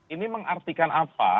ini mengartikan apa